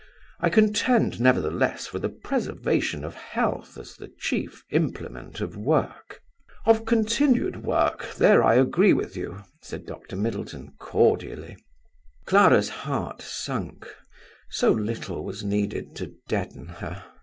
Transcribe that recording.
I contend, nevertheless, for the preservation of health as the chief implement of work." "Of continued work; there I agree with you," said Dr. Middleton, cordially. Clara's heart sunk; so little was needed to deaden her.